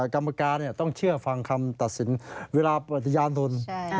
กรรมการต้องเชื่อฟังคำตัดสินเวลาปฏิญาณทุน